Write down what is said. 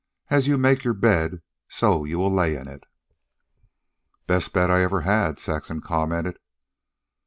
As you make your bed, so you will lay in it" "Best bed I ever had," Saxon commented.